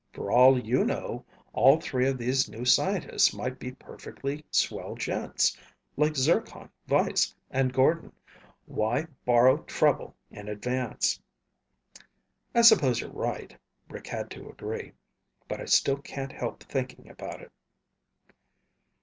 "For all you know, all three of these new scientists might be perfectly swell gents, like Zircon, Weiss, and Gordon. Why borrow trouble in advance?" "I suppose you're right," Rick had to agree. "But I still can't help thinking about it."